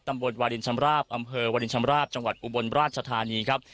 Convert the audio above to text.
บนวาลินชำราบอำเภอวาลินชำราบจังหวัดอุบลราชธานีครับ